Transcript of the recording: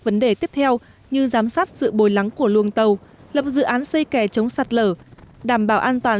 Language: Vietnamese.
vấn đề tiếp theo như giám sát sự bồi lắng của luồng tàu lập dự án xây kè chống sạt lở đảm bảo an toàn